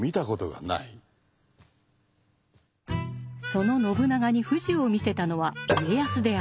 その信長に富士を見せたのは家康である。